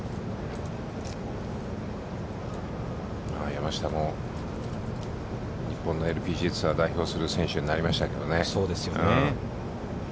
山下も日本のＬＰＧＡツアーを代表する選手になりましたけどね。